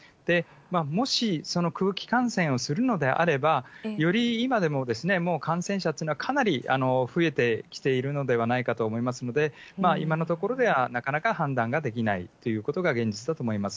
もしその空気感染をするのであれば、より今でも、もう感染者というのはかなり増えてきているのではないかと思いますので、今のところでは、なかなか判断ができないということが現実だと思います。